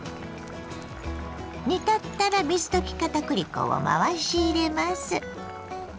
煮立ったら水溶き片栗粉を回し入れます。